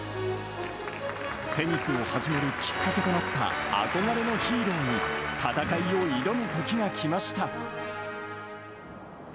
テニスを始めるきっかけとなった憧れのヒーローに戦いを挑むときがきました。